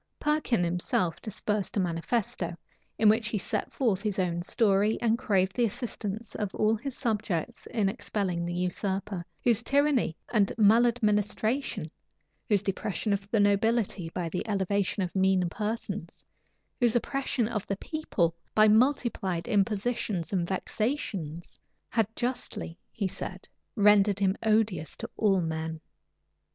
Perkin himself dispersed a manifesto, in which he set forth his own story, and craved the assistance of all his subjects in expelling the usurper, whose tyranny and maladministration, whose depression of the nobility by the elevation of mean persons, whose oppression of the people by multiplied impositions and vexations, had justly, he said, rendered him odious to all men.